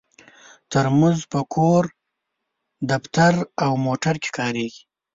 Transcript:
ترموز په کور، دفتر او موټر کې کارېږي.